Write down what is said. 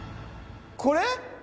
これ？